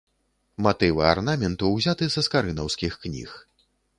Матывы арнаменту ўзяты са скарынаўскіх кніг.